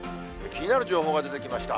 気になる情報が出てきました。